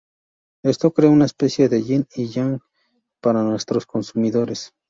Esto crea una especie de yin y yang para nuestros consumidores.